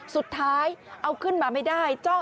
สุดท้ายเอาขึ้นมาไม่ได้